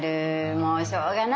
もうしょうがないな。